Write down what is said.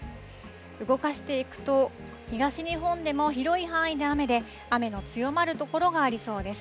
動かしていくと、東日本でも広い範囲で雨で、雨の強まる所もありそうです。